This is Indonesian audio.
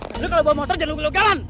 eh lu kalau bawa motor jangan lupa lo galan